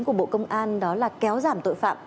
của bộ công an đó là kéo giảm tội phạm